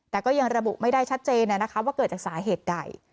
แต่ก็ยังระบุไม่ได้ชัดเจนว่าเกิดจากสาเหตุใด